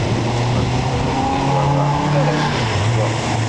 Ma tufiḍ akli werreɣ, armi ittwaɣ.